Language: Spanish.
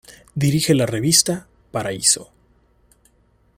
Dirige la revista "Paraíso".